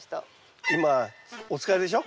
今お疲れでしょ？